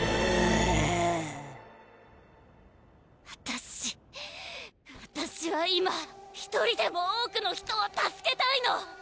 私私は今１人でも多くの人を助けたいの！